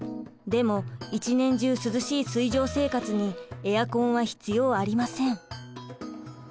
でも一年中涼しい水上生活にエアコンは必要ありません。